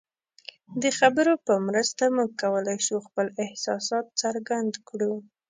د خبرو په مرسته موږ کولی شو خپل احساسات څرګند کړو.